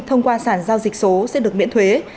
thông qua sản giao dịch số sẽ được miễn thuế